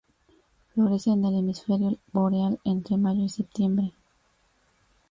Florece en el hemisferio boreal entre mayo y septiembre.